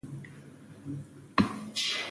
د بامیې کښت په ګرمو سیمو کې کیږي؟